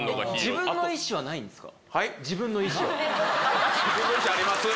自分の意思はないんですか？